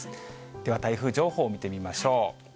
では台風情報見てみましょう。